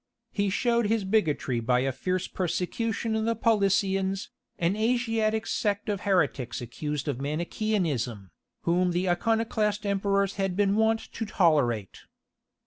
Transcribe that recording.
He showed his bigotry by a fierce persecution of the Paulicians, an Asiatic sect of heretics accused of Manicheanism, whom the Iconoclast emperors had been wont to tolerate.